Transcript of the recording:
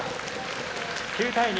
９対２。